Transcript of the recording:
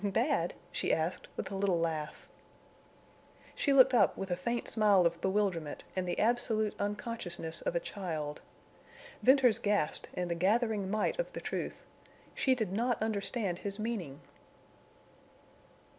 "Bad?" she asked, with a little laugh. She looked up with a faint smile of bewilderment and the absolute unconsciousness of a child. Venters gasped in the gathering might of the truth. She did not understand his meaning.